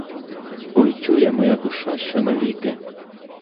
Ой, чує моя душа, що навіки.